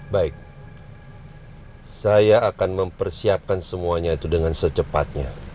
baik saya akan mempersiapkan semuanya itu dengan secepatnya